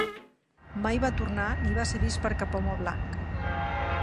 Mai va tornar ni va ser vist per cap home blanc.